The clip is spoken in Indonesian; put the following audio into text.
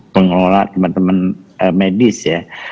pengelola teman teman medis ya